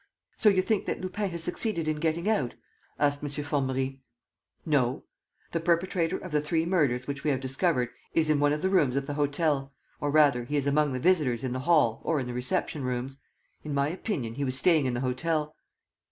"So you think that Lupin has succeeded in getting out?" asked M. Formerie. "No. The perpetrator of the three murders which we have discovered is in one of the rooms of the hotel, or, rather, he is among the visitors in the hall or in the reception rooms. In my opinion, he was staying in the hotel."